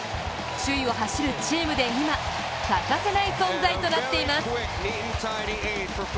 首位を走るチームで今欠かせない存在となっています。